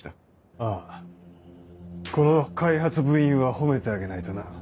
ああこの開発部員は褒めてあげないとな。